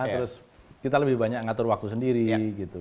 terus kita lebih banyak ngatur waktu sendiri gitu